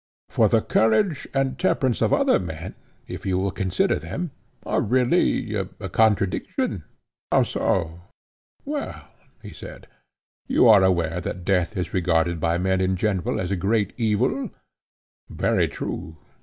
For the courage and temperance of other men, if you will consider them, are really a contradiction. How so? Well, he said, you are aware that death is regarded by men in general as a great evil. Very true, he said.